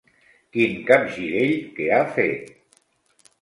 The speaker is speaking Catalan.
Quin capgirell que ha fet!